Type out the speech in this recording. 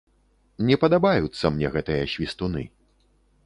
Не падабаюцца мне гэтыя свістуны.